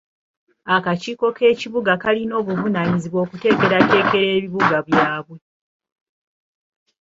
Akakiiko k'ekibuga kalina obuvunaanyizibwa okuteekerateekera ebibuga byabwe.